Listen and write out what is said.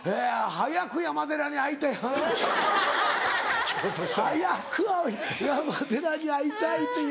早く山寺に会いたいっていう。